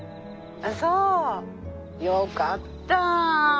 そうよかった。